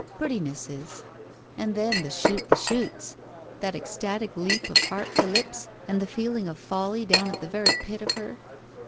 Prettinesses. And then the shoot the chutes! That ecstatic leap of heart to lips and the feeling of folly down at the very pit of her.